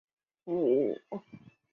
尾鳍及尾柄部有蓝色斑纹。